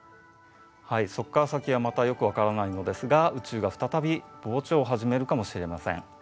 はいそこから先はまたよく分からないのですが宇宙が再び膨張をはじめるかもしれません。